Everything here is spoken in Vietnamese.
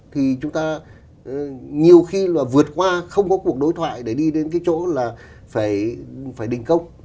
thì chúng ta nhiều khi là vượt qua không có cuộc đối thoại để đi đến cái chỗ là phải đình công